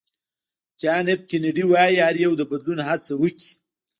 جان اېف کېنیډي وایي هر یو د بدلون هڅه وکړي.